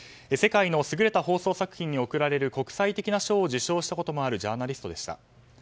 世界の優れた放送作品に贈られる国際的な賞も受賞したことのあるジャーナリストでした。